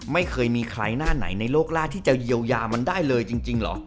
ไม่เคยมีใครหน้าไหนในโลกล่าที่จะเยียวยามันได้เลยจริงเหรอ